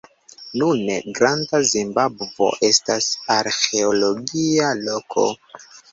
Nune, Granda Zimbabvo estas arĥeologia loko.